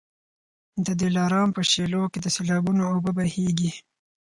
د دلارام په شېلو کي د سېلابونو اوبه بهیږي.